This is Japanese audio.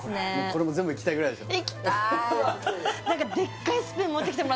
これも全部いきたいぐらいでしょいきたい